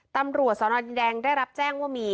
ตำรวจสนดินแดงได้รับแจ้งว่ามี